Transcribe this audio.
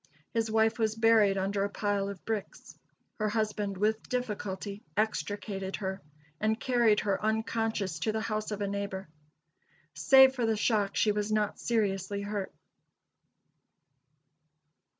His wife was buried under a pile of bricks. Her husband with difficulty extricated her, and carried her unconscious to the house of a neighbor. Save for the shock, she was not seriously hurt.